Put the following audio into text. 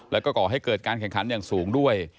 แล้วก็ก่อให้เกิดการแข่งขันอย่างสูงด้วย